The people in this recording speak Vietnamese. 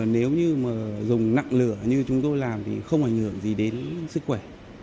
nếu như mà dùng nặng lửa như chúng tôi làm thì không hề nhượng gì đến sức khỏe